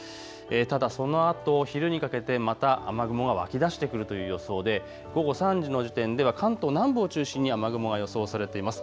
ただそのあと昼にかけてまた雨雲が湧き出してくるという予想で午後３時の時点では関東南部を中心に雨雲が予想されています。